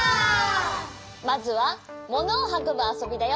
まずはものをはこぶあそびだよ。